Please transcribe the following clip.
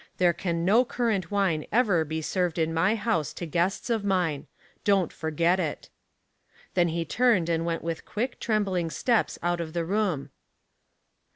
There can no currant wine ever be served in ray house to guests of mine. Don't forget it." Then he turned and went with quick, trembling steps out of the room.